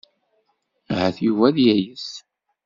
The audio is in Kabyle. Ahat Yuba ad yayes.